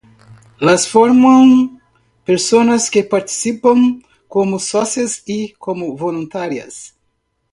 Las forman personas que participan como socias y como voluntarias.